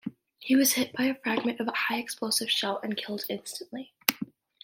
He was hit by a fragment of a High Explosive shell and killed instantly.